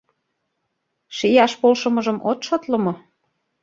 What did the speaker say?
Шияш полшымыжым от шотло мо?